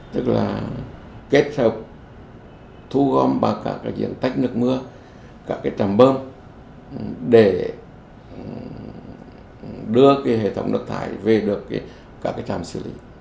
tức là kết hợp thu gom bằng các diện tích nước mưa các cái trạm bơm để đưa hệ thống nước thải về được các trạm xử lý